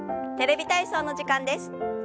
「テレビ体操」の時間です。